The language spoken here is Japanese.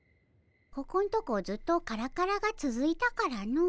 ここんとこずっとカラカラがつづいたからの。